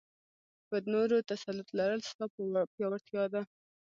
په نورو تسلط لرل؛ ستا پياوړتيا ده.